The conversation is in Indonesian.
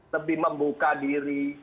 lebih membuka diri